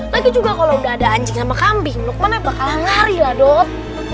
lagi juga kalo udah ada anjing sama kambing lukman bakal ngari lah dot